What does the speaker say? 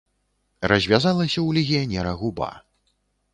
Развязалася ў легіянера губа.